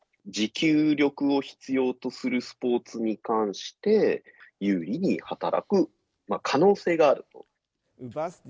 持久力を必要とするスポーツに関して、有利に働く可能性があると。